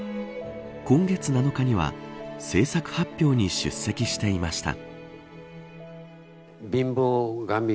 今月７日には制作発表に出席していました。